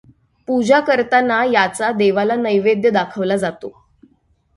पूजा करताना याचा देवाला नैवेद्य दाखवला जातो.